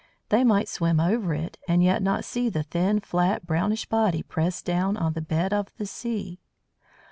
They might swim over it, and yet not see the thin, flat, brownish body pressed down on the bed of the sea.